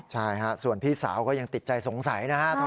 ใช่ฮะส่วนพี่สาวก็ยังติดใจสงสัยนะฮะ